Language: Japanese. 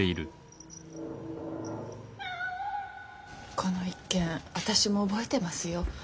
この一件私も覚えてますよ。